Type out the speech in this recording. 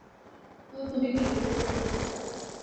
তো, তুমি কী করতে চেয়েছিলে?